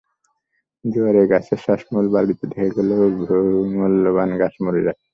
জোয়ারে গাছের শ্বাসমূল বালিতে ঢেকে গিয়েও বহু মূল্যবান গাছ মরে যাচ্ছে।